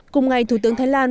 cùng ngày thủ tướng thái lan